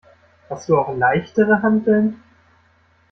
Hast du auch leichtere Hanteln?